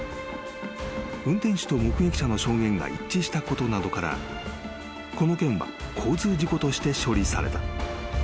［運転手と目撃者の証言が一致したことなどからこの件は交通事故として処理された］